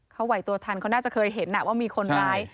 เขาไหวตัวทันเขาน่าจะเคยเห็นว่ามีคนร้าย